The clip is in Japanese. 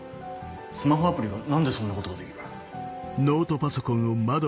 スマホアプリが何でそんなことができる？